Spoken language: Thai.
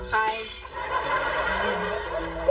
ใคร